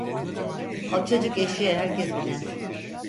Alçacık eşeğe herkes biner.